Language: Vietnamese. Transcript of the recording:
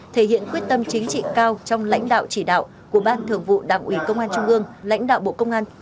thể hiện quyết tâm chính trị cao trong lãnh đạo chỉ đạo của ban thường vụ đảng ủy công an trung ương lãnh đạo bộ công an